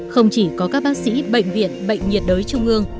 không chỉ có các bác sĩ bệnh viện bệnh nhiệt đới trung ương